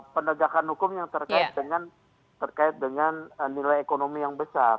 penegakan hukum yang terkait dengan nilai ekonomi yang besar